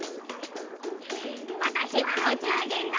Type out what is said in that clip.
「わたしはうちゅうじんだ！」。